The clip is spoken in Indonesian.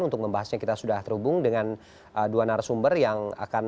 untuk membahasnya kita sudah terhubung dengan dua narasumber yang akan